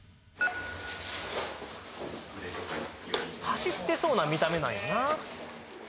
走ってそうな見た目なんよな